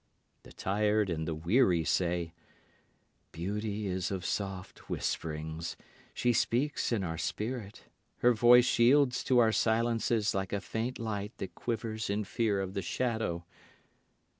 The tired and the weary say, "Beauty is of soft whisperings. She speaks in our spirit. Her voice yields to our silences like a faint light that quivers in fear of the shadow."